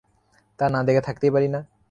তা না দেখে থাকতেই পারি না।